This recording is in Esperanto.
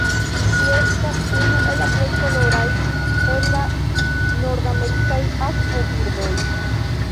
Ĝi estas unu el la plej koloraj el la nordamerikaj akvobirdoj.